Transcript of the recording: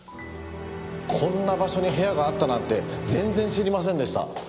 こんな場所に部屋があったなんて全然知りませんでした。